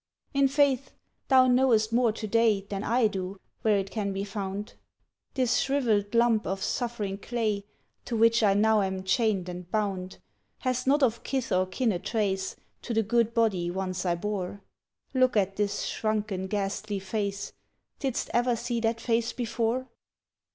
In faith thou knowest more to day Than I do, where it can be found! This shrivelled lump of suffering clay, To which I now am chained and bound, Has not of kith or kin a trace To the good body once I bore; Look at this shrunken, ghastly face: Didst ever see that face before?